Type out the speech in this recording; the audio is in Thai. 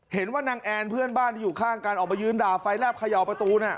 เห็นว่านางแอนเพื่อนบ้านที่อยู่ข้างกันออกมายืนด่าไฟแลบเขย่าประตูน่ะ